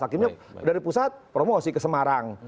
hakimnya dari pusat promosi ke semarang